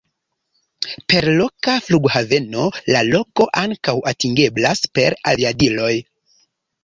Per loka flughaveno la loko ankaŭ atingeblas per aviadiloj.